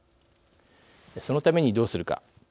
そのためにどうするか。